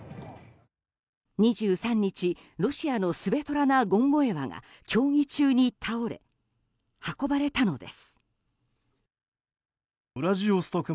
２３日、ロシアのスベトラナ・ゴンボエワが競技中に倒れ運ばれたのです。